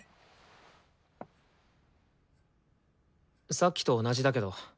さっきと同じだけど。